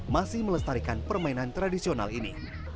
masih melestarikan permainan tradisional ini